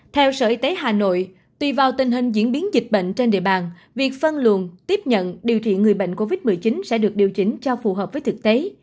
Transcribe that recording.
theo sở y tế hà nội tùy vào tình hình diễn biến dịch bệnh trên địa bàn việc phân luồn tiếp nhận điều trị người bệnh covid một mươi chín sẽ được điều chỉnh cho phù hợp với thực tế